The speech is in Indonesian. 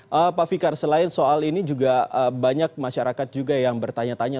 oke pak fikar selain soal ini juga banyak masyarakat juga yang bertanya tanya